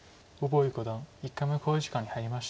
呉柏毅五段１回目の考慮時間に入りました。